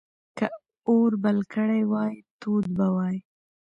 که اور بل کړی وای، تود به وای.